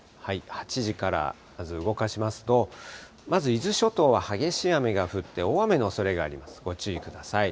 ８時からまず動かしますと、まず伊豆諸島は激しい雨が降って、大雨のおそれがあります、ご注意ください。